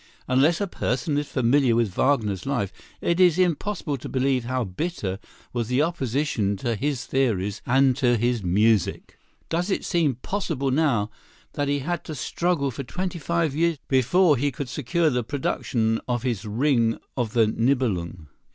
Unless a person is familiar with Wagner's life, it is impossible to believe how bitter was the opposition to his theories and to his music. Does it seem possible now that he had to struggle for twenty five years before he could secure the production of his "Ring of the Nibelung"?